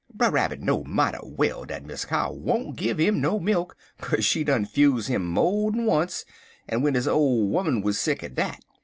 Brer Rabbit know mighty well dat Miss Cow won't give 'im no milk, kaze she done 'fuse 'im mo'n once, en w'en his ole 'oman wuz sick, at dat.